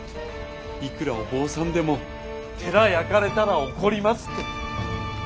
いくらお坊さんでも寺焼かれたら怒りますって。